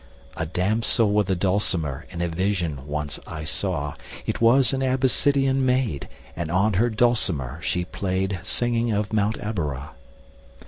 A damsel with a dulcimer In a vision once I saw: It was an Abyssinian maid, And on her dulcimer she play'd, 40 Singing of Mount Abora.